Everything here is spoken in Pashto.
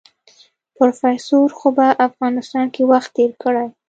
پروفيسر خو په افغانستان کې وخت تېر کړی.